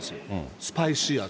スパイシー味。